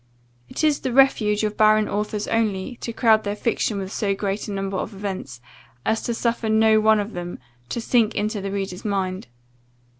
It is the refuge of barren authors only, to crowd their fictions with so great a number of events, as to suffer no one of them to sink into the reader's mind.